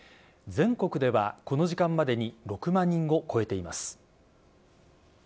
全国ではこの時間までに６万人を超えています。